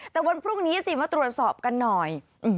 แต่วันพรุ่งนี้สิมาตรวจสอบกันหน่อย